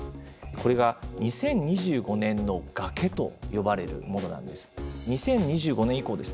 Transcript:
これが２０２５年の崖と呼ばれるものなんです。